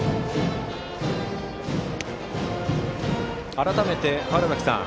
改めて、川原崎さん